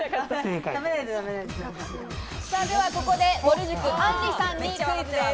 ではここでぼる塾・あんりさんにクイズです。